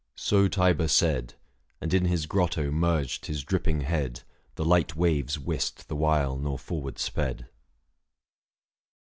So Tiber said, And in his grotto merged his dripping head, The light waves whist the while nor forward sped.